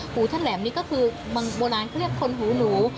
หูท่านแหลมนี่ก็คือบางโบราณเขาเรียกคนหูหนู